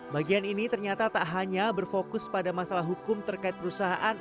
bagian ini ternyata tak hanya berfokus pada masalah hukum terkait perusahaan